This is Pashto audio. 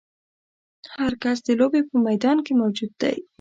هر کس د لوبې په میدان کې موجود دی.